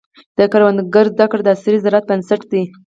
د کروندګرو زده کړه د عصري زراعت بنسټ دی.